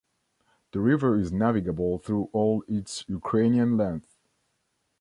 The river is navigable through all its Ukrainian length.